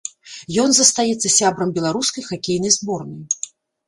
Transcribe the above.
Ён застаецца сябрам беларускай хакейнай зборнай.